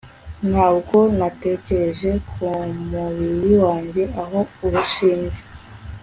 Ntabwo natekereje kumubiri wanjye aho urushinge